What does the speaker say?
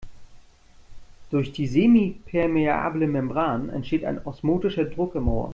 Durch die semipermeable Membran entsteht ein osmotischer Druck im Rohr.